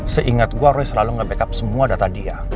seingat gue lo yang selalu ngebackup semua data dia